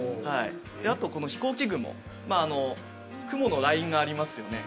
あとこの飛行機雲雲のラインがありますよね。